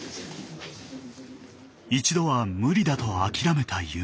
一度は無理だと諦めた夢。